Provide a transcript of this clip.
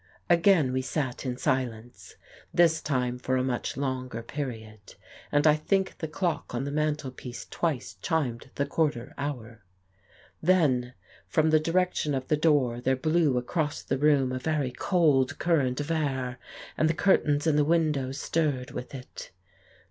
Again we sat in silence, this time for a much longer period, and I think the clock on the mantel piece twice chimed the quarter hour. Then from the direction of the door there blew across the room a very cold current of air, and the curtains in the win dow stirred with it.